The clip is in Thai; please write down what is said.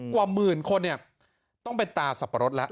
กว่าหมื่นคนเนี่ยต้องเป็นตาสับปะรดแล้ว